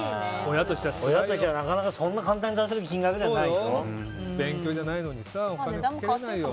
親としてはなかなか、そんな簡単に出せる金額じゃないよ。